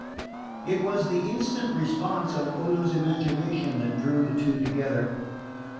It was the instant response of Odo's imagination that drew the two together.